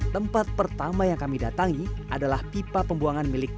tempat pertama yang kami datangi adalah pipa pembuangan milik